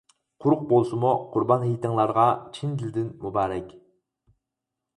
قۇرۇق بولسىمۇ قۇربان ھېيتىڭلارغا چىن دىلدىن مۇبارەك.